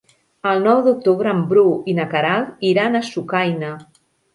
El nou d'octubre en Bru i na Queralt iran a Sucaina.